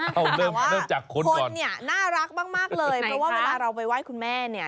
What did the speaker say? คนเนี่ยน่ารักมากเลยเพราะว่าเวลาเราไปไหว้คุณแม่เนี่ย